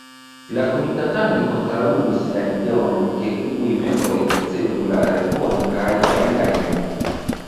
La komitatanoj kontraŭis la ideon ke iuj membroj ricevu la revuon kaj aliaj ne.